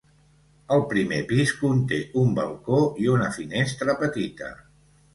El primer pis conté un balcó i una finestra petita.